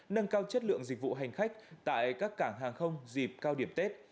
nâng cao chất lượng dịch vụ hành khách tại các cảng hàng không dịp cao điểm tết